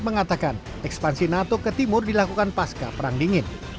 mengatakan ekspansi nato ke timur dilakukan pasca perang dingin